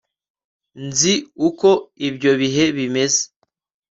nzi uko ibyo bihe bimeze